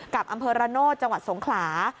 กับอำเภอระโนธจังหวัดสงขลา